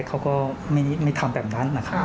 เขาก็ไม่ทำแบบนั้นนะครับ